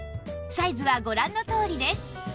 サイズはご覧のとおりです